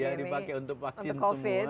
yang dipakai untuk vaksin semua